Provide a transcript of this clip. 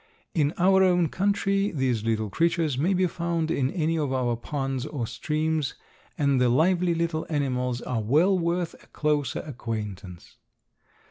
In our own country these little creatures may be found in any of our ponds or streams, and the lively little animals are well worth a closer acquaintance.